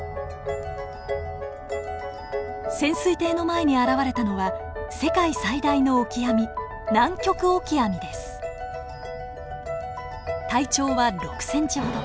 潜水艇の前に現れたのは世界最大のオキアミ体長は６ｃｍほど。